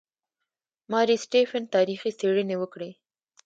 ماري سټیفن تاریخي څېړنې وکړې.